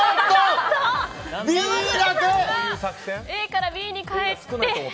ＡからＢに変えて。